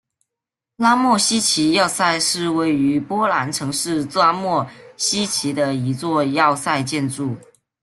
扎莫希奇要塞是位于波兰城市扎莫希奇的一座要塞建筑。